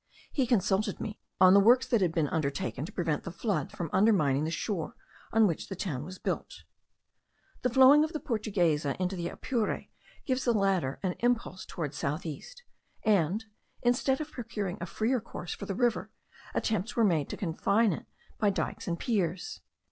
He consulted me on the works that had been undertaken to prevent the flood from undermining the shore on which the town was built. The flowing of the Portuguesa into the Apure gives the latter an impulse towards south east; and, instead of procuring a freer course for the river, attempts were made to confine it by dykes and piers.